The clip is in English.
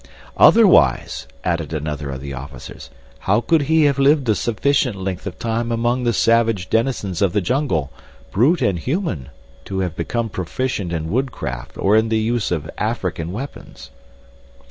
"Otherwise," added another of the officers, "how could he have lived a sufficient length of time among the savage denizens of the jungle, brute and human, to have become proficient in woodcraft, or in the use of African weapons."